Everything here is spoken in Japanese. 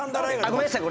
ごめんなさい。